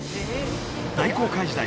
大航海時代